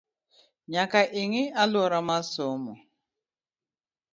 Nyaka ing’i aluora mar somo